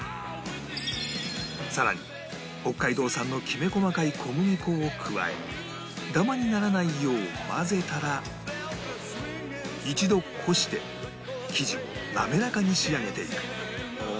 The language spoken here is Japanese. さらに北海道産のきめ細かい小麦粉を加えダマにならないよう混ぜたら一度こして生地をなめらかに仕上げていく